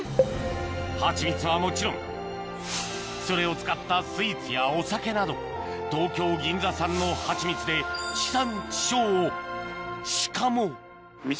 ・ハチミツはもちろんそれを使ったスイーツやお酒など東京・銀座産のハチミツでしかも地域の。